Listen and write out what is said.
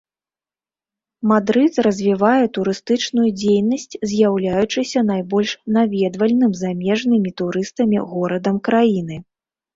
Мадрыд развівае турыстычную дзейнасць, з'яўляючыся найбольш наведвальным замежнымі турыстамі горадам краіны.